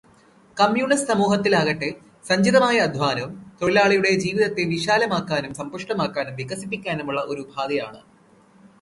Communist സമൂഹത്തിലാകട്ടെ, സഞ്ചിതമായ അദ്ധ്വാനം തൊഴിലാളിയുടെ ജീവിതത്തെ വിശാലമാക്കാനും സംപുഷ്ടമാക്കാനും വികസിപ്പിക്കാനുമുള്ള ഒരുപാധിയാണു്.